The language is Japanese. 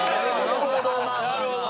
なるほどね。